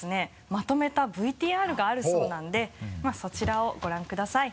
まとめたＶＴＲがあるそうなんでまぁそちらをご覧ください。